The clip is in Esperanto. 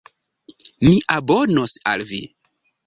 Mi abonos al vi